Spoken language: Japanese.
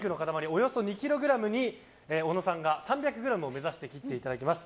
およそ２ｋｇに小野さんが３００ｇになるよう切っていただきます。